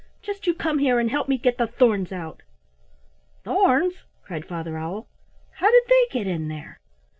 Just you come here and help me get the thorns out." "Thorns!" cried Father Owl. "How did they get in there?"